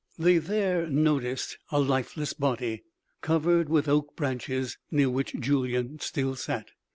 They there noticed a lifeless body covered with oak branches, near which Julyan still sat.